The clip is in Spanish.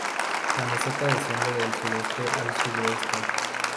La meseta desciende del sudeste al sudoeste.